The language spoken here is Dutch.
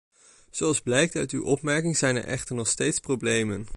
Zoals blijkt uit uw opmerking zijn er echter nog steeds problemen.